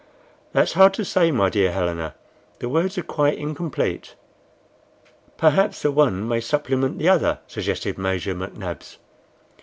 "That's hard to say, my dear Helena, the words are quite incomplete." "Perhaps the one may supplement the other," suggested Major McNabbs.